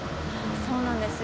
そうなんですよ。